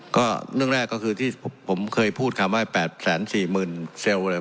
ก็เรื่องแรกก็คือที่ผมเคยพูดคำว่าแปดแสนสี่หมื่นเซลล์เลย